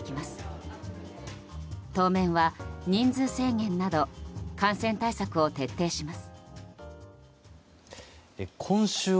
当面は人数制限など感染対策を徹底します。